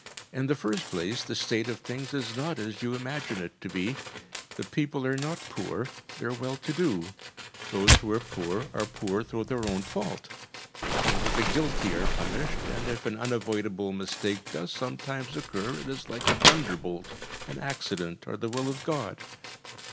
In the first place, the state of things is not as you imagine it to be. The people are not poor. They are well to do. Those who are poor are poor through their own fault. Only the guilty are punished, and if an unavoidable mistake does sometimes occur, it is like a thunderbolt an accident, or the will of God.